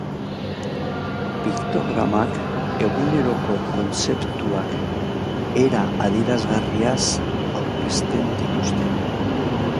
Piktogramak eguneroko kontzeptuak era adierazgarriaz aurkezten dituzte.